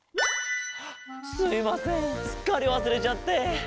すいませんすっかりわすれちゃって。